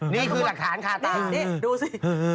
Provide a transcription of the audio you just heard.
นี่คือหลักฐานข้าตานี่นี่ดูสิ